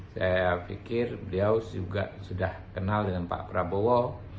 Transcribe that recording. saya pikir beliau juga sudah kenal dengan pak prabowo